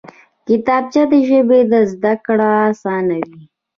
کتابچه د ژبې زده کړه اسانوي